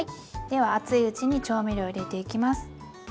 では熱いうちに調味料入れていきます。